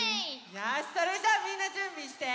よしそれじゃあみんなじゅんびして。